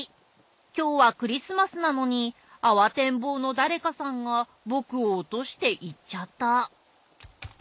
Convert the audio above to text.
きょうはクリスマスなのにあわてんぼうのだれかさんがぼくをおとしていっちゃった